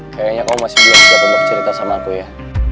kayaknya lo masih bilang siapa lo cerita sama aku ya